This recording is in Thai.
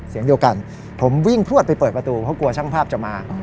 เสียงเดียวกันผมวิ่งพลวดไปเปิดประตูเพราะกลัวช่างภาพจะมา